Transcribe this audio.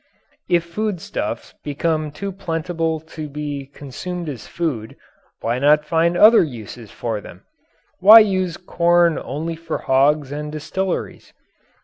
If foodstuffs become too plentiful to be consumed as food, why not find other uses for them? Why use corn only for hogs and distilleries?